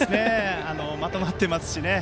まとまってますしね。